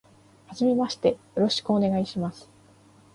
初めましてよろしくお願いします。